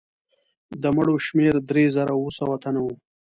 د مړو شمېر درې زره اووه سوه تنه وو.